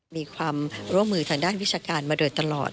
มีความร่วมมือทางด้านวิชาการมาโดยตลอด